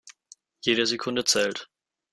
Jede Sekunde zählt.